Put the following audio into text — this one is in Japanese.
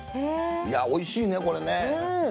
おいしいね、これね。